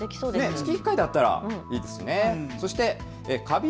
月１回だったらいいですよね。